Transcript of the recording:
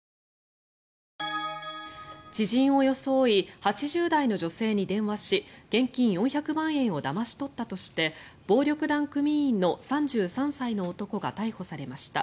知人を装い８０代の女性に電話し現金４００万円をだまし取ったとして暴力団組員の３３歳の男が逮捕されました。